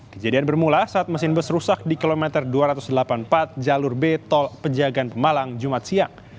kejadian bermula saat mesin bus rusak di kilometer dua ratus delapan puluh empat jalur b tol pejagaan pemalang jumat siang